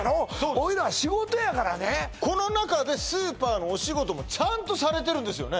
俺らは仕事やからねこのなかでスーパーのお仕事もちゃんとされてるんですよね